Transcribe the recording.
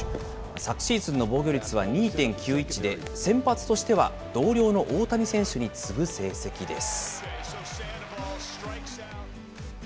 昨シーズンの防御率は２．９１で、先発としては同僚の大谷選手に次ぐ成績です。